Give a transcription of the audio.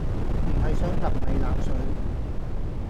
唔係想淋你冷水